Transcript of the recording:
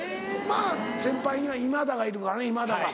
まぁ先輩には今田がいるからね今田が。